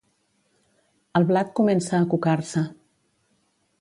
El blat comença a cucar-se.